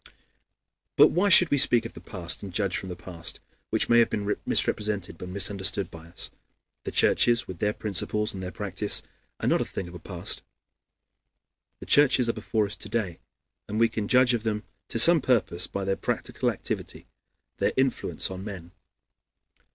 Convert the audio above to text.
But why should we speak of the past and judge from the past, which may have been misrepresented and misunderstood by us? The churches, with their principles and their practice, are not a thing of the past. The churches are before us to day, and we can judge of them to some purpose by their practical activity, their influence on men.